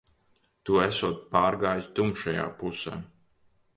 Tu esot pārgājis tumšajā pusē.